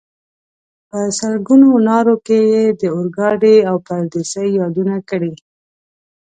په سلګونو نارو کې یې د اورګاډي او پردیسۍ یادونه کړې.